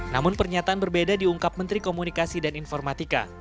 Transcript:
namun pernyataan berbeda diungkap menteri komunikasi dan informatika